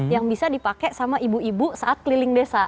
yang bisa dipakai sama ibu ibu saat keliling desa